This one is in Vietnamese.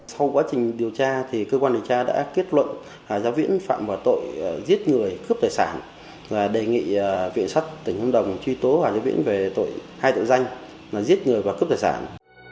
sau quá trình điều tra thì cơ quan điều tra đã kết luận hà giá viễn phạm vào tội giết người cướp tài sản và đề nghị viện sách tỉnh hương đồng truy tố hà giá viễn về tội hai tội danh là giết người và cướp tài sản